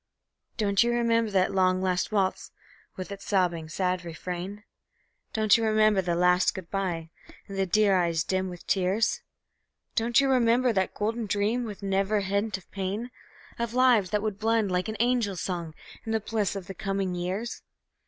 Don't you remember that long, last waltz, with its sobbing, sad refrain? Don't you remember that last good by, and the dear eyes dim with tears? Don't you remember that golden dream, with never a hint of pain, Of lives that would blend like an angel song in the bliss of the coming years?